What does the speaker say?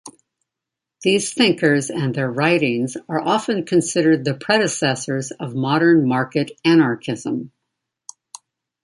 These thinkers and their writings are often considered the predecessors of modern market anarchism.